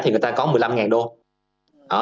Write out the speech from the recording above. nó có một mươi năm ngàn đô